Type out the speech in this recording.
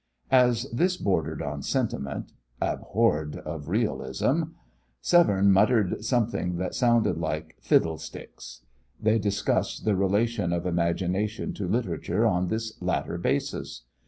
As this bordered on sentiment, abhorred of realism, Severne muttered something that sounded like "fiddlesticks." They discussed the relation of imagination to literature on this latter basis.